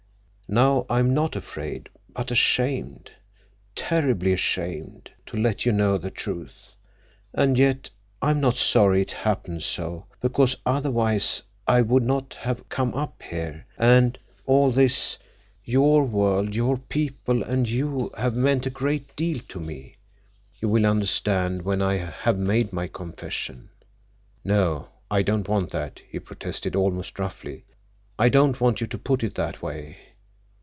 Now I am not afraid, but ashamed, terribly ashamed, to let you know the truth. And yet I am not sorry it happened so, because otherwise I would not have come up here, and all this—your world, your people, and you—have meant a great deal to me. You will understand when I have made my confession." "No, I don't want that," he protested almost roughly. "I don't want you to put it that way.